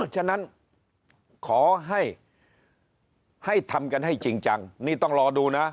ฉะนั้นขอให้ทำกันให้จริงจังนี่ต้องรอดูนะ